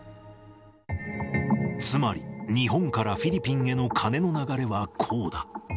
つまり日本からフィリピンへの金の流れはこうだ。